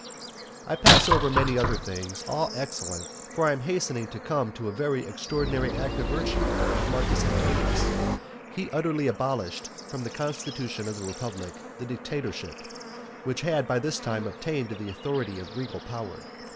I pass over many other things, all excellent for I am hastening to come to a very extraordinary act of virtue of Marcus Antonius. He utterly abolished from the constitution of the republic the Dictatorship, which had by this time attained to the authority of regal power.